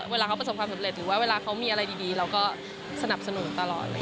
เวลาเขาประสบความสำเร็จหรือว่าเวลาเขามีอะไรดีเราก็สนับสนุนตลอด